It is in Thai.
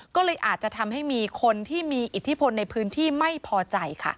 ก็เลยอาจจะทำให้มีคนที่มีอิทธิพลในพื้นที่ไม่พอใจค่ะ